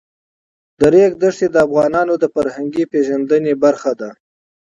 د ریګ دښتې د افغانانو د فرهنګي پیژندنې برخه ده.